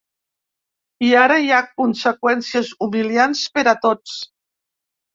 I ara hi ha conseqüències humiliants per a tots.